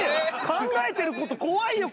考えてること怖いよ